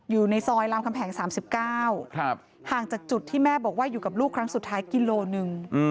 อยู่ในซอยรามคำแหง๓๙ห่างจากจุดที่แม่บอกว่าอยู่กับลูกครั้งสุดท้ายกิโลหนึ่ง